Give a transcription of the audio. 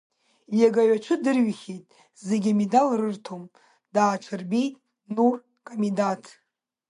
Иагаҩ аҽы дырҩхьеит, зегь амедал рырҭом, дааҽырбеит нур-Камидаҭ.